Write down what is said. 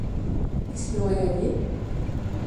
Qu'est-ce qu'il aurait gagné ?